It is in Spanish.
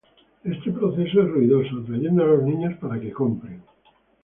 Este proceso es ruidoso, atrayendo a los niños para que compren.